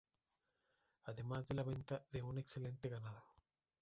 Además de la venta de un excelente ganado.